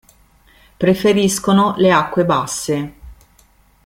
Preferiscono le acque basse.